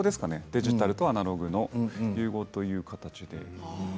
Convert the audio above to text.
デジタルとアナログの融合という形で。